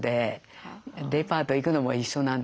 デパート行くのも一緒なんで。